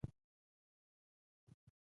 پر وا به یې نه کولای.